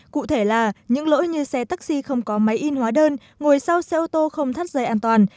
cụ thể là những lỗi như xe taxi không có máy in hóa đơn ngồi sau xe ô tô không thắt dây an toàn